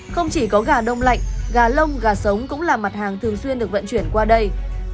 không chỉ có gà đông lạnh gà lông gà sống cũng là mặt hàng thường xuyên được vận chuyển qua đây